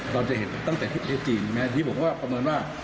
เราจะเห็นตั้งแต่เทศจีนแม้ที่ผมก็คำนวณว่า